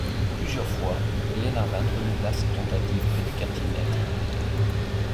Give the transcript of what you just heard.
Plusieurs fois, Glenarvan renouvela ses tentatives près du quartier-maître.